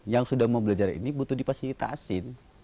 yang sudah mau belajar ini butuh dipasilitasi